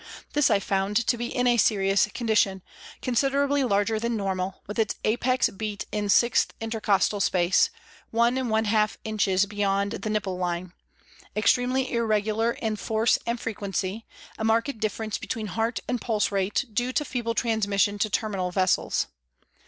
This I found to be in a serious condition, consider ably larger than normal, with its apex beat in 6th intercostal space, 1 inches beyond the nipple line ; extremely irregular in force and frequency, a marked difference between heart and pulse rate, due to feeble transmission to terminal vessels.